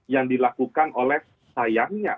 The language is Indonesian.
yang dilakukan oleh sayangnya